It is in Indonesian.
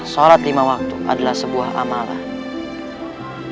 sholat lima waktu adalah sebuah amarah